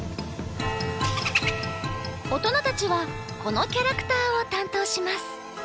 大人たちはこのキャラクターを担当します。